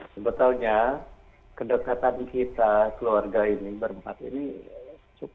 sebetulnya kedokteran kita keluarga ini berempat ini kita bisa berlebaran di rumah